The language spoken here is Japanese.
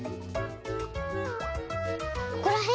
ここらへん？